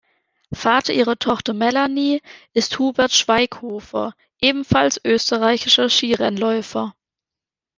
Vater ihrer Tochter Melanie ist Hubert Schweighofer, ebenfalls österreichischer Skirennläufer.